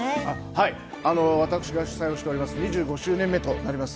はい、私が主催しております、２５周年目となります